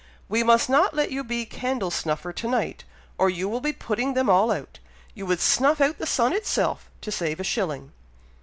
We must not let you be candle snuffer to night, or you will be putting them all out. You would snuff out the sun itself, to save a shilling."